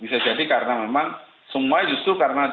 bisa jadi karena memang semua justru karena